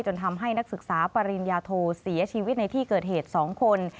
ทำให้นักศึกษาปริญญาโทเสียชีวิตในที่เกิดเหตุ๒คน